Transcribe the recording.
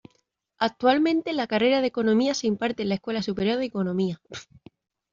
Actualmente, la carrera de economía se imparte en la Escuela Superior de Economía.